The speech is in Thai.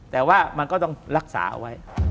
แต่ว่ามันก็ต้องรักษาเอาไว้